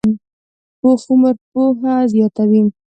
پوخ عمر پوهه زیاته وي